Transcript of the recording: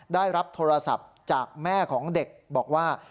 ได้รับโทรศัพท์จากแม่ของเด็กบอกว่า